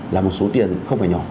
là một số tiền không phải nhỏ